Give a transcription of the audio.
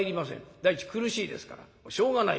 第一苦しいですからしょうがない。